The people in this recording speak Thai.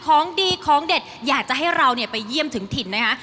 ของดีของเด็ดจังหว่านี้เขาเยอะจริงนะ